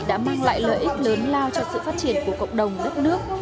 đã mang lại lợi ích lớn lao cho sự phát triển của cộng đồng đất nước